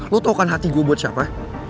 lo tau kan hati gue buat siapa